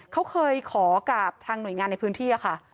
เขาเคยขอกับทางหน่วยงานในพื้นที่ค่ะ